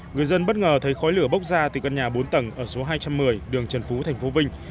người dân bất ngờ thấy khói lửa bốc ra từ căn nhà bốn tầng ở số hai trăm một mươi đường trần phú tp vinh